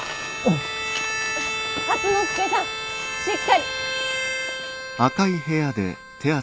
初之助さんしっかり。